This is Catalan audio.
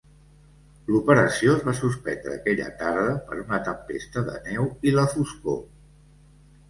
L'operació es va suspendre aquella tarda per una tempesta de neu i la foscor.